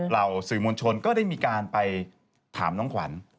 สื่อมวลชนก็ได้มีการไปถามน้องขวัญ